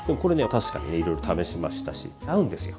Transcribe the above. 確かにいろいろ試しましたし合うんですよ。